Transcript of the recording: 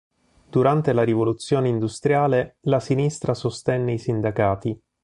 Durante la rivoluzione industriale, la sinistra sostenne i sindacati.